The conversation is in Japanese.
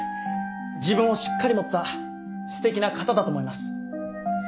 自分をしっかり持った素敵な方だと思います。